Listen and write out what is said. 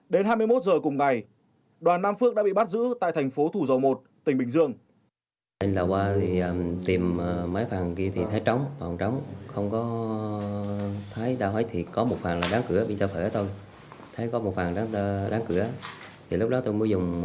đến hai mươi một giờ cùng ngày đoàn nam phước đã bị bắt giữ tại thành phố thủ dầu một tỉnh bình dương